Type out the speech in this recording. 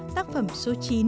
tác phẩm số chín